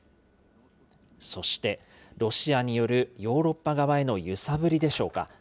そして、ロシアによるヨーロッパ側への揺さぶりでしょうか。